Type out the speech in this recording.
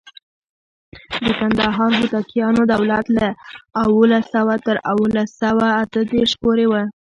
د کندهار هوتکیانو دولت له اوولس سوه تر اوولس سوه اته دیرش پورې و.